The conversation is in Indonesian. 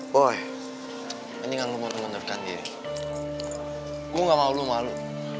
boy mendingan lo mau mengundurkan diri gue gak mau lo malu